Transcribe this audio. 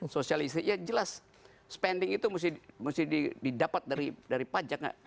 sosialisasi ya jelas spending itu mesti didapat dari pajak